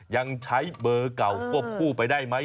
ยังใช้เบอร์เก่าควบคู่ไปได้ไหม